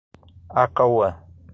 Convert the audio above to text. Acauã